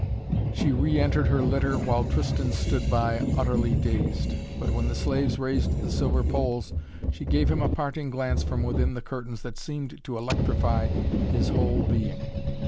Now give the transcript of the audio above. She reentered her litter while Tristan stood by, utterly dazed. But, when the slaves raised the silver poles, she gave him a parting glance from within the curtains that seemed to electrify his whole being.